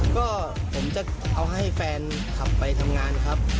ก็ผมจะเอาให้แฟนขับไปทำงานครับ